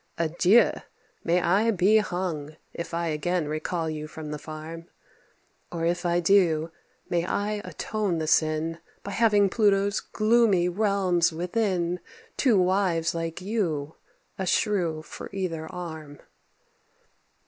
Adieu! May I be hung If I again recall you from the farm; Or if I do, may I atone the sin By having Pluto's gloomy realms within Two wives like you, a shrew for either arm."